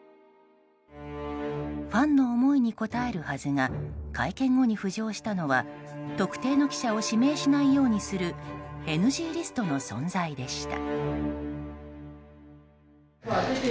ファンの思いに応えるはずが会見後に浮上したのは特定の記者を指名しないようにするＮＧリストの存在でした。